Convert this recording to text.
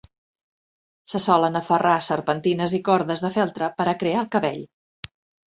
Se solen aferrar serpentines i cordes de feltre per a crear el cabell.